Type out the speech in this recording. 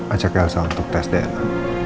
ajak lsm untuk tes dna